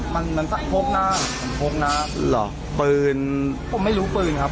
มันมันพกหน้ามันพกหน้าเหรอปืนผมไม่รู้ปืนครับ